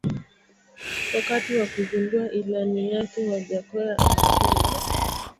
Wakati wa kuzindua ilani yake Wajackoya alisema